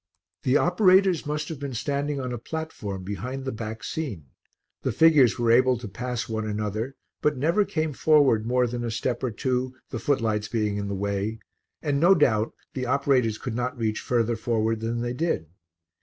The operators must have been standing on a platform behind the back scene; the figures were able to pass one another, but never came forward more than a step or two, the footlights being in the way, and no doubt the operators could not reach further forward than they did.